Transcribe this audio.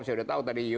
saya udah tahu tadi